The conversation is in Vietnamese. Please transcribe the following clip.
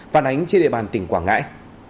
phản ánh trên địa bàn tỉnh quảng ngãi